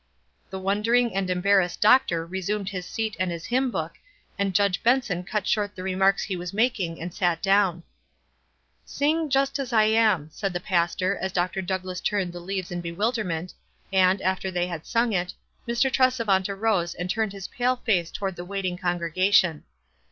The wondering and embarrassed doctor resumed his seat and his hymn book, and Judge Benson cut short the remarks he was making and sat down. tf Sing c Just as I am,' " said the pastor, as Dr. Douglass turned the leaves in bewilderment, and, after they had sung it, Mr. Tresevant arose and turned his pale face toward the waiting congre gation.